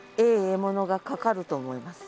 獲物がかかると思います。